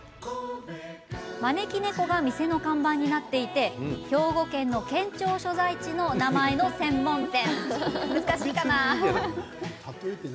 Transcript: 招き猫が店の看板になっていて兵庫県の県庁所在地の名前の専門店。